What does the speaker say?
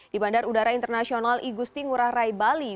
di bandar udara internasional igusti ngurah rai bali